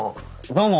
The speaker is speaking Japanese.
どうも。